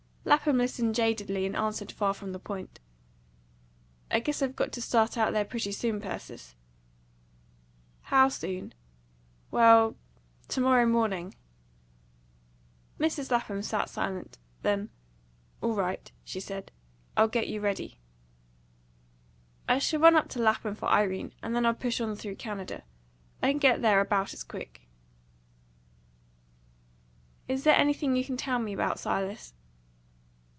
Lapham listened jadedly, and answered far from the point. "I guess I've got to start out there pretty soon, Persis." "How soon?" "Well, to morrow morning." Mrs. Lapham sat silent. Then, "All right," she said. "I'll get you ready." "I shall run up to Lapham for Irene, and then I'll push on through Canada. I can get there about as quick." "Is it anything you can tell me about, Silas?"